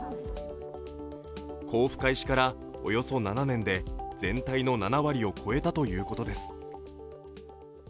交付開始からおよそ７年で全体の７割を超えたということです